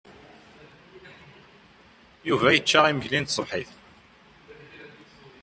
Yuba yecca imekli n tṣebḥit.